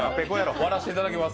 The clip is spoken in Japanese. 割らせていただきます。